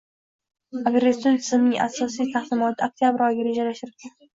Operatsion tizimning rasmiy taqdimoti oktabr oyiga rejalashtirilgan